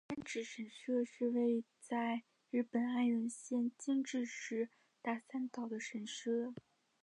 大山只神社是位在日本爱媛县今治市大三岛的神社。